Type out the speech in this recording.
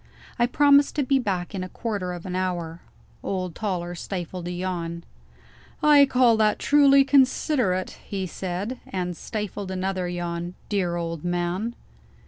I promised to be back in a quarter of an hour. Old Toller stifled a yawn. "I call that truly considerate," he said and stifled another yawn. Dear old man!